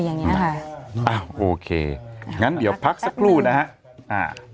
อย่างงั้นเดี๋ยวพักสักครู่อ่ะ